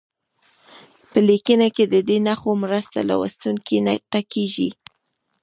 په لیکنه کې د دې نښو مرسته لوستونکي ته کیږي.